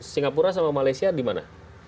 singapura sama malaysia di mana